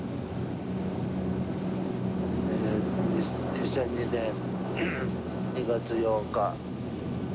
２００２年２月８日。